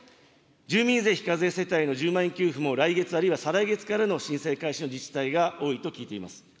住民税非課税世帯の１０万円給付も来月あるいは再来月からの申請開始の自治体が多いと聞いています。